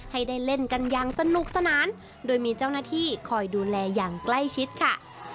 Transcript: ให้ได้เล่นกันอย่างสนุกสนานโดยมีเจ้าหน้าที่คอยดูแลอย่างใกล้ชิดค่ะ